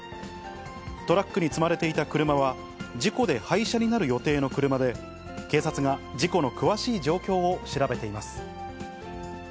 トラックに積まれていた車は事故で廃車になる予定の車で、警察が事故の詳しい状況を調べています。